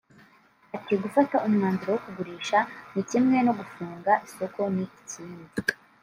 Ati “Gufata umwanzuro wo kugurisha ni kimwe no gufunga isoko ni ikindi